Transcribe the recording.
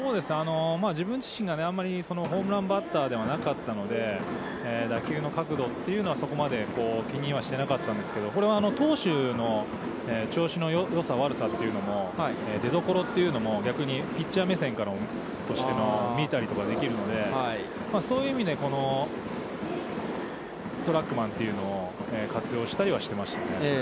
自分自身があんまりホームランバッターではなかったので、野球の角度というのはそこまで気にはしてなかったんですけど、これは投手の調子のよさ、悪さというのも出どころというのも逆にピッチャー目線から見たりできるので、そういう意味で、このトラックマンというのを活用したりはしてましたね。